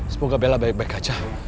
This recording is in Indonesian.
semoga bella baik baik aja